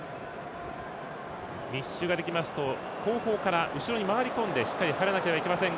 密集ができますと後ろに回り込んでしっかり入らないといけません。